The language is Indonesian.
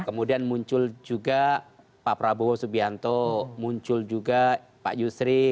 kemudian muncul juga pak prabowo subianto muncul juga pak yusri